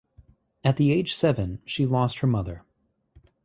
At the age seven she lost her mother.